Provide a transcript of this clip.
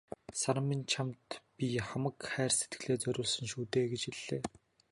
"Саран минь чамд би хамаг хайр сэтгэлээ зориулсан шүү дээ" гэж хэллээ.